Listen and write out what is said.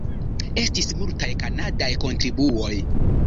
Estis multaj kanadaj kontribuoj.